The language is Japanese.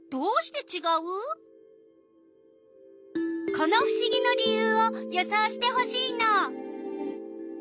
このふしぎの理ゆうを予想してほしいの！